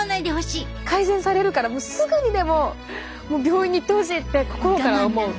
改善されるからもうすぐにでも病院に行ってほしいって心から思う。